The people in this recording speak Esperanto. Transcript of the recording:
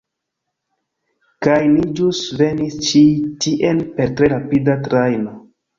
Kaj ni ĵus venis ĉi tien per tre rapida trajno.